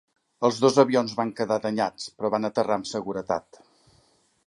Els dos avions van quedar danyats, però van aterrar amb seguretat.